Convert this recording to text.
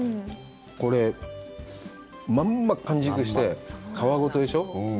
これ、まんま完熟して、皮ごとでしょ？